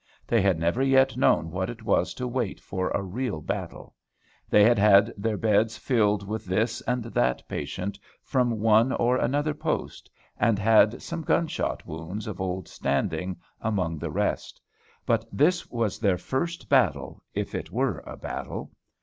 They had never yet known what it was to wait for a real battle. They had had their beds filled with this and that patient from one or another post, and had some gun shot wounds of old standing among the rest; but this was their first battle if it were a battle.